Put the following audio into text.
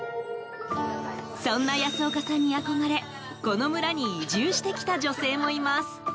そんな安岡さんに憧れこの村に移住してきた女性もいます。